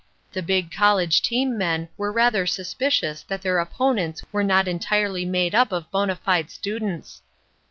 The big college team men were rather suspicious that their opponents were not entirely made up of bona fide students.